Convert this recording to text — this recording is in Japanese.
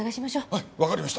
はいわかりました。